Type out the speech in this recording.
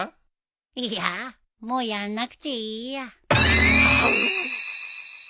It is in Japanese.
いやもうやんなくていいや。はうっ！